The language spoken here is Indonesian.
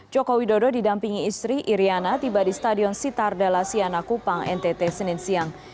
joko widodo didampingi istri iryana tiba di stadion sitar dela siana kupang ntt senin siang